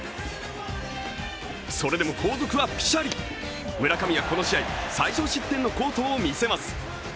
それでも後続はぴしゃり、村上はこの試合最少失点の好投を見せます。